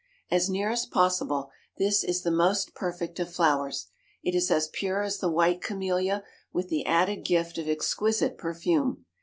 As near as possible, this is the most perfect of flowers. It is as pure as the white camellia, with the added gift of exquisite perfume.